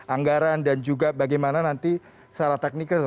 anggaran dan juga bagaimana nanti secara teknikal